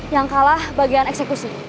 yang kalah bagian eksekusi